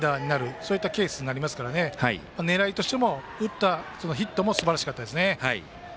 そういったケースになりますから狙いとしても、打ったヒットもすばらしかったですね。